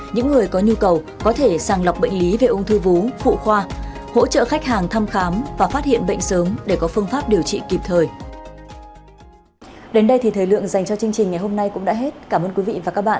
những người có nhu cầu có thể sàng lọc bệnh lý về ung thư vú phụ khoa hỗ trợ khách hàng thăm khám và phát hiện bệnh sớm để có phương pháp điều trị kịp thời